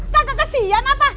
kakak kesian apa